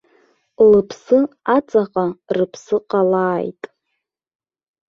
Лыԥсы аҵаҟа рыԥсы ҟалааит.